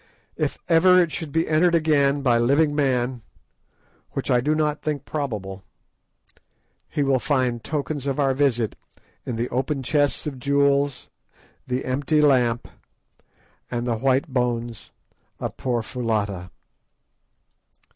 If ever it should be entered again by living man, which I do not think probable, he will find tokens of our visit in the open chests of jewels, the empty lamp, and the white bones of poor Foulata.